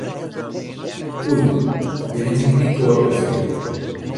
Oei, no bin ik myn pinkoade wer ferjitten.